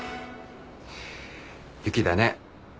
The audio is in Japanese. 雪だね。